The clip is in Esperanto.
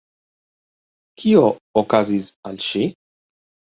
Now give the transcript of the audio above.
Kio okazis al ŝi?